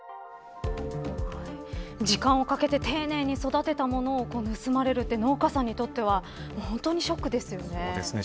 時間をかけて丁寧に育てたものを盗まれるというのは農家さんにとっては本当にショックですよね。